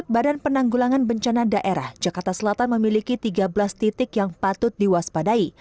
badan penanggulangan bencana daerah jakarta selatan memiliki tiga belas titik yang patut diwaspadai